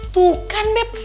tuh kan beb